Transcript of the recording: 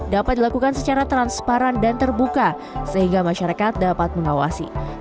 dapat dilakukan secara transparan dan terbuka sehingga masyarakat dapat mengawasi